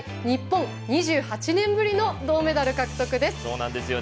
日本２８年ぶりの銅メダル獲得です。